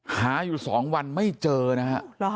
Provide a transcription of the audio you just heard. หาอยู่๒วันไม่เจอนะฮะ